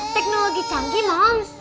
teknologi canggih moms